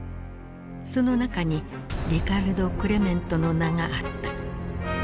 その中にリカルド・クレメントの名があった。